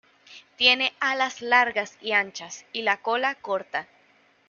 Tiene alas largas y anchas, y la cola corta.